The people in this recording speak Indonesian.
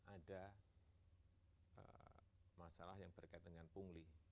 ada masalah yang berkaitan dengan pungli